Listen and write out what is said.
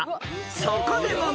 ［そこで問題］